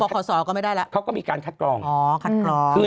ขอสอก็ไม่ได้แล้วเขาก็มีการคัดกรองอ๋อคัดกรอง